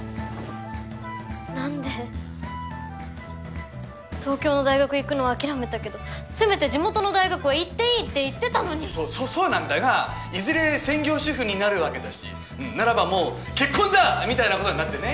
なんで東京の大学行くのは諦めたけどせめて地元の大学は行っていいって言ってたのにそそそうなんだがいずれ専業主婦になるわけだしならばもう結婚だ！みたいなことになってね